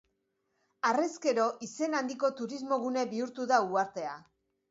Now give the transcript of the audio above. Harrezkero, izen handiko turismo-gune bihurtu da uhartea.